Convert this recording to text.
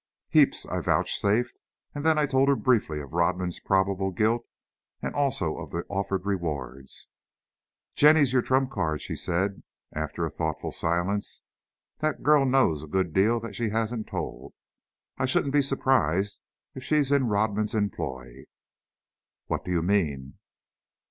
"Heaps," I vouchsafed, and then I told her, briefly, of Rodman's probable guilt and also of the offered rewards. "Jenny's your trump card," she said after a thoughtful silence. "That girl knows a good deal that she hasn't told. I shouldn't be surprised if she's in Rodman's employ." "What do you mean?"